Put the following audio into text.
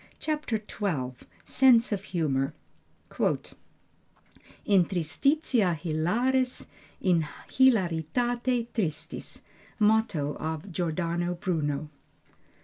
CHAPTER XII SENSE OF HUMOR In tristitia hilaris, in hilaritate tristis. MOTTO OF GIORDANO BRUNO.